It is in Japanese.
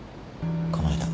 この間。